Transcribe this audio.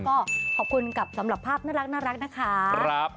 ก็ขอบคุณกับสำหรับภาพน่ารักนะคะ